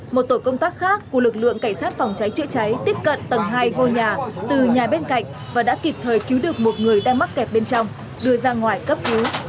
một tổ công tác khác của lực lượng cảnh sát phòng cháy chữa cháy tiếp cận tầng hai ngôi nhà từ nhà bên cạnh và đã kịp thời cứu được một người đang mắc kẹt bên trong đưa ra ngoài cấp cứu